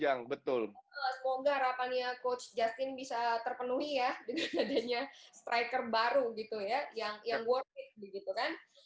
semoga semoga semoga coach justin bisa terpenuhi dengan adanya striker baru yang worth it